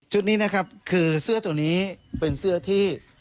นี้นะครับคือเสื้อตัวนี้เป็นเสื้อที่